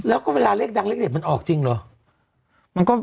แล้วก็เวลาเลขดังเลขเด็ดมันออกจริงเหรอ